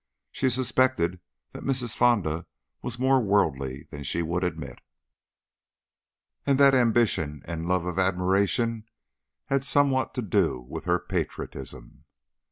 She suspected that Mrs. Fonda was more worldly than she would admit, and that ambition and love of admiration had somewhat to do with her patriotism.